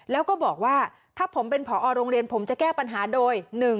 แล้วก็บอกว่าถ้าผมเป็นผอโรงเรียนผมจะแก้ปัญหาโดย๑